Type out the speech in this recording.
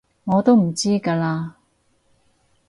我都知㗎喇